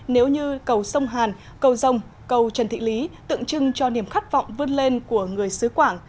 nếu như cầu sông hàn cầu dông cầu trần thị lý tượng trưng cho niềm khát vọng vươn lên của người xứ quảng